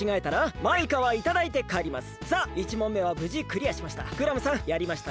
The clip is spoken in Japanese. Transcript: さあ１問めはぶじクリアしました。